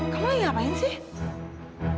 kamu lagi ngapain sih